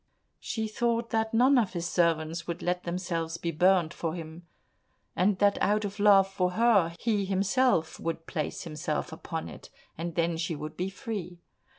She thought that none of his servants would let themselves be burnt for him, and that out of love for her, he himself would place himself upon it, and then she would be free.